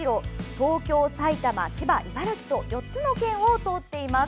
東京・埼玉・千葉・茨城と４つの県を通っています。